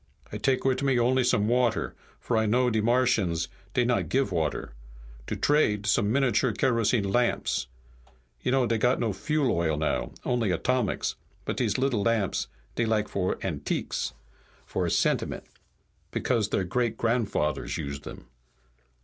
"I take wit' me only some water, for I know de Martians dey not give water. To trade, some miniature kerosene lamps. You know dey got no fuel oil now, only atomics, but dese little lamps dey like for antiques, for sentiment, because their great grandfathers used dem.